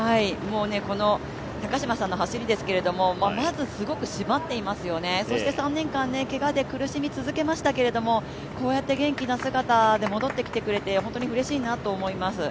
この高島さんの走りですけど、まず、すごく締まっていますよね、３年間けがで苦しみ続けましたけどこうやって元気な姿で戻ってきてくれて本当にうれしいなと思います。